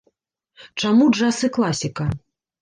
Чаму джаз і класіка?